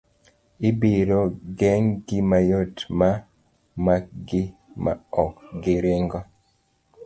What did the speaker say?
Ibiro ng'egi mayot ma makgi ma ok giringo.